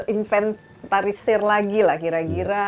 inventarisir lagi lah kira kira